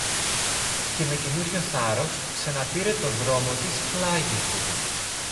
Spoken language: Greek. Και με καινούριο θάρρος ξαναπήρε το δρόμο της πλάγι του.